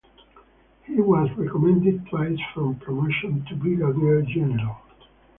He was recommended twice for promotion to brigadier general.